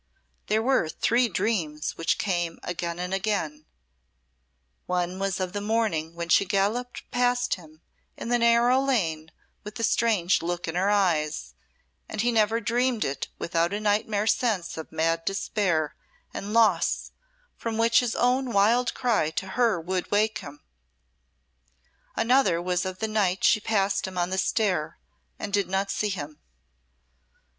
There were three dreams which came again and again one was of the morning when she galloped past him in the narrow lane with the strange look in her eyes, and he never dreamed it without a nightmare sense of mad despair and loss from which his own wild cry to her would wake him; another was of the night she passed him on the stair, and did not see him.